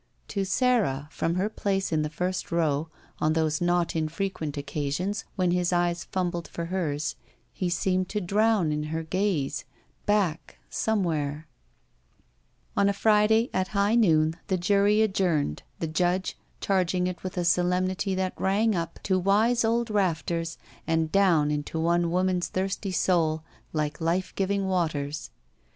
To Sara, from her place in the first row, on those not infrequent occasions when his eyes f imibled for hers, he seemed to drown in her gaze — ^back — somewhere — On a Friday at high noon the jury adjourned, the judge charging it with a solemnity that rang up to wise old rafters and down into one woman's thirsty soul like life giving waters.